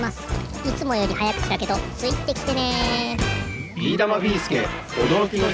いつもよりはやくちだけどついてきてね。